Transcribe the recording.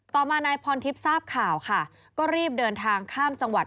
ต่อมานายพรทิพย์ทราบข่าวค่ะก็รีบเดินทางข้ามจังหวัด